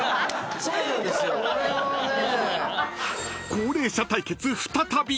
［高齢者対決再び］